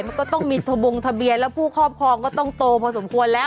มันก็ต้องมีทะบงทะเบียนแล้วผู้ครอบครองก็ต้องโตพอสมควรแล้ว